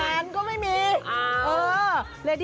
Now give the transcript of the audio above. งานก็ว่าไม่มี